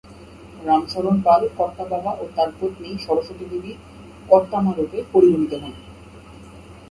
রামশরণ পাল ‘কর্তাবাবা’ ও তাঁর পত্নী সরস্বতী দেবী ‘কর্তামা’রূপে পরিগণিত হন।